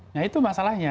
nah itu masalahnya